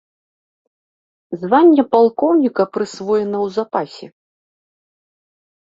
Званне палкоўніка прысвоена ў запасе.